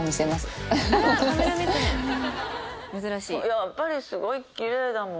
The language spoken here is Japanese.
やっぱりすごいきれいだもん。